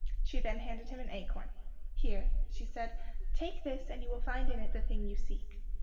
She then handed him an acorn. "Here," she said, "take this and you will find in it the thing you seek."